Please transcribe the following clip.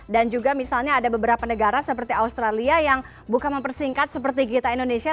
dan juga misalnya ada beberapa negara seperti australia yang bukan mempersingkat seperti kita indonesia